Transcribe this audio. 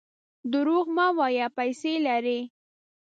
درواغ مه وایه ! پیسې لرې.